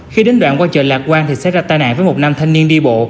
khi đến đoạn qua chợ lạc quang thì xét ra tai nạn với một nam thanh niên đi bộ